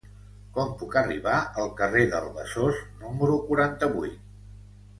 Com puc arribar al carrer del Besòs número quaranta-vuit?